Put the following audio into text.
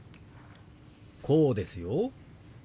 こうですよ。